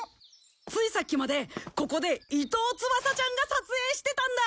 ついさっきまでここで伊藤つばさちゃんが撮影してたんだ！